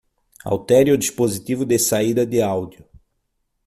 Altere o dispositivo de saída de áudio.